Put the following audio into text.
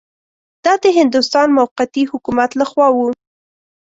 دا د هندوستان موقتي حکومت له خوا وه.